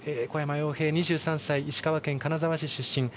小山陽平、２３歳石川県金沢市出身。